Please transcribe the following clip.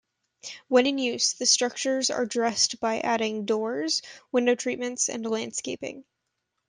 When in use, the structures are dressed by adding doors, window treatments and landscaping.